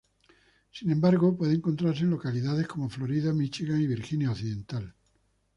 Sin embargo, puede encontrase en localidades como Florida, Míchigan y Virginia Occidental.